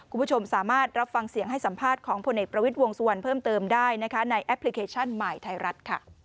คุณผู้ชมสามารถรับฟังเสียงให้สัมภาษณ์ของพลเอกประวิทย์วงสุวรรณเพิ่มเติมได้นะคะในแอปพลิเคชันใหม่ไทยรัฐ